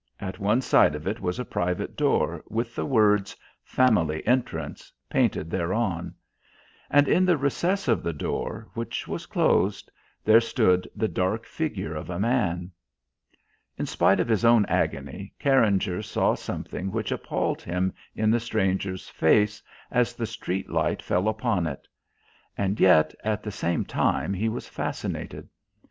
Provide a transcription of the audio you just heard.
At one side of it was a private door with the words "Family entrance" painted thereon. And in the recess of the door (which was closed) there stood the dark figure of a man. In spite of his own agony, Carringer saw something which appalled him in the stranger's face as the street light fell upon it; and yet at the same time he was fascinated.